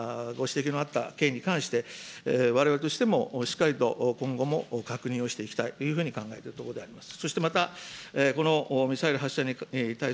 今、委員からご指摘のあった件に関して、われわれとしてもしっかりと今後も確認をしていきたいというふうに考えているところであります。